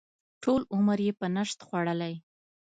ټول عمر یې په نشت خوړلی.